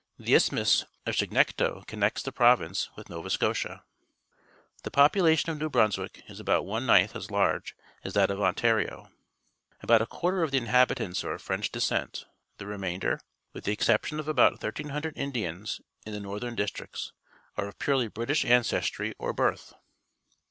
The Isthmus of Chignecto connects the province with Nova Scotia. The population of New Brunswick is about one ninth as large as that of Ontario. About a quarter of the inhabitants are of French descent; the remainder, with the exception of about 1,300 Indians in the northern districts, are of purel}^ British anoestiy or birth.